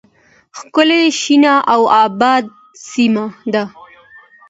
، ښکلې، شنه او آباده سیمه ده.